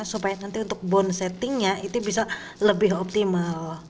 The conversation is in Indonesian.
supaya nanti untuk bonsetingnya itu bisa lebih optimal